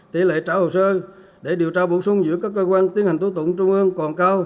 tỷ lệ trả hồ sơ để điều tra bổ sung giữa các cơ quan tiến hành tố tụng trung ương còn cao